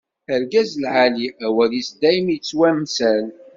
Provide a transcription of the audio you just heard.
Argaz lɛali, awal-is dayem ittwamsal.